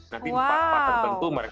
nanti empat empat tentu mereka